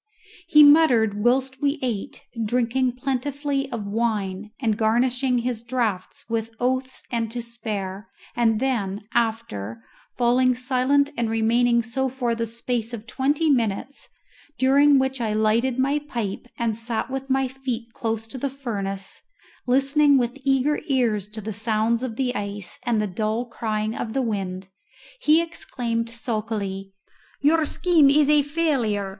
He muttered whilst we ate, drinking plentifully of wine, and garnishing his draughts with oaths and to spare; and then, after falling silent and remaining so for the space of twenty minutes, during which I lighted my pipe and sat with my feet close to the furnace, listening with eager ears to the sounds of the ice and the dull crying of the wind, he exclaimed sulkily, "Your scheme is a failure.